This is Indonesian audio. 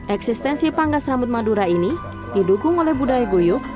eksistensi pangkas rambut madura ini didukung oleh budaya guyuk